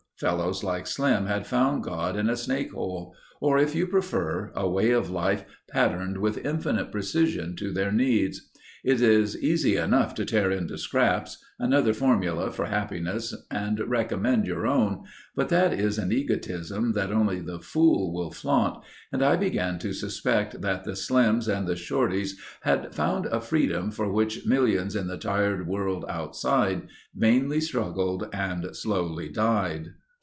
Fellows like Slim had found God in a snake hole, or if you prefer—a way of life patterned with infinite precision to their needs. It is easy enough to tear into scraps, another's formula for happiness and recommend your own but that is an egotism that only the fool will flaunt and I began to suspect that the Slims and the Shortys had found a freedom for which millions in the tired world Outside vainly struggled and slowly died.